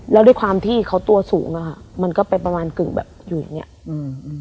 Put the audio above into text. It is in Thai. แล้วด้วยความที่เขาตัวสูงอ่ะค่ะมันก็ไปประมาณกึ่งแบบอยู่อย่างเงี้ยอืม